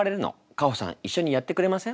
カホさん一緒にやってくれません？